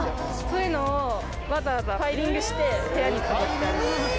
そういうのをわざわざファイリングして部屋に飾ってあります。